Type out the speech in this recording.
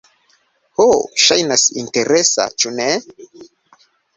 Ho, ŝajnas interesa ĉu ne?